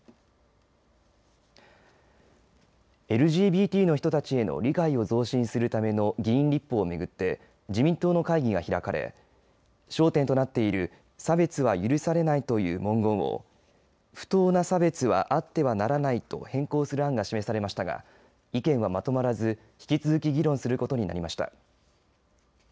ＬＧＢＴの人たちへの理解を増進するための議員立法を巡って自民党の会議が開かれ焦点となっている差別は許されないという文言を不当な差別はあってはならないと変更する案が示されましたが意見はまとまらず引き続き議論することになりました。